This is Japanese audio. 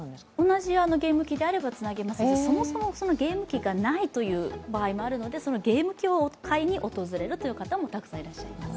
同じゲーム機であればつなげますしそもそもゲーム機がないという場合もあるのでそのゲーム機を買いに訪れる方もたくさんいらっしゃいます。